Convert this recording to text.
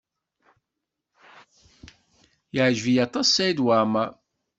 Yeɛjeb-iyi aṭas Saɛid Waɛmaṛ.